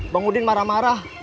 bang udin marah marah